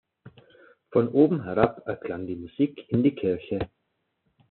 Von oben herab erklang die Musik in die Kirche.